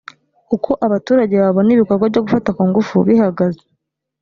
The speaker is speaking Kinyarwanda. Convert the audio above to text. uko abaturage babona ibikorwa byo gufata ku ngufu bihagaze